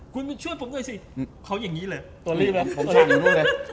คุณมาช่วยผมด้วยสิอืมเขาอย่างงี้เลยตัวรีบแล้วผมช่างอยู่นู่นเลย